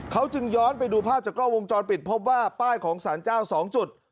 เขาจึงย้อนไปดูภาพจากกล้องวงจรปิดพบว่าป้ายของสารเจ้า๒จุด